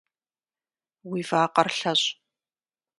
Уи вакъэр лъэщӏ.